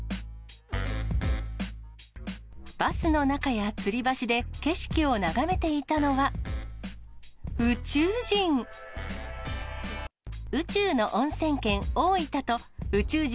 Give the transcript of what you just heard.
バスの中や、つり橋で景色を眺めていたのは、宇宙人。